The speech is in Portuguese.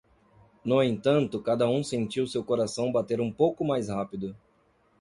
No entanto, cada um sentiu seu coração bater um pouco mais rápido.